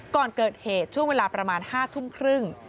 ก่อนเกิดเหตุช่วงเวลาประมาณ๕ทุ่มครึ่ง